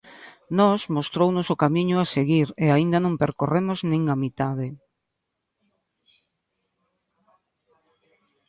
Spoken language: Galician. Nós mostrounos o camiño a seguir e aínda non percorremos nin a metade.